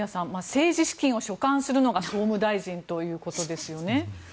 政治資金を所管するのが総務大臣ということですよね。